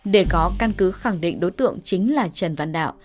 để có căn cứ khẳng định đối tượng chính là trần văn đạo